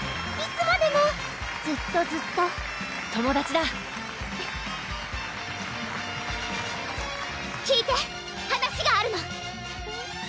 いつまでもずっとずっと友達だ聞いて話があるの！